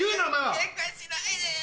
ケンカしないでよ。